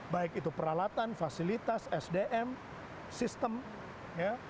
baik itu peralatan fasilitas sdm sistem ya